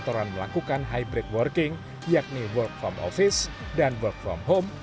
restoran melakukan hybrid working yakni work from office dan work from home